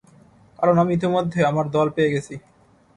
কারণ, আমি ইতোমধ্যে আমার দল পেয় গেছি।